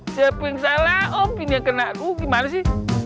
siapa yang salah om ini yang kena aku gimana sih